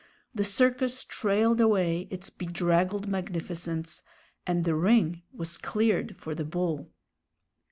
The circus trailed away its bedraggled magnificence, and the ring was cleared for the bull.